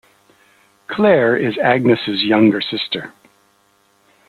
Claire is Agnes's younger sister.